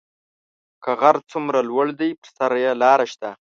که غر څومره لوړ دی پر سر یې لار شته